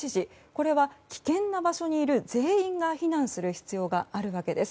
これは危険な場所にいる全員が避難する必要があるわけです。